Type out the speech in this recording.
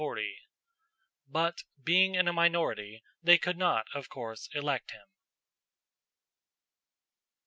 But being in a minority, they could not, of course, elect him.